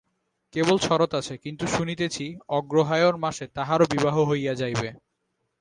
কেবল শরৎ আছে, কিন্তু শুনিতেছি অগ্রহায়ণ মাসে তাহারও বিবাহ হইয়া যাইবে।